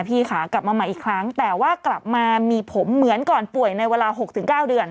พี่ค่ะกลับมาใหม่อีกครั้งแต่ว่ากลับมามีผมเหมือนก่อนป่วยในเวลา๖๙เดือน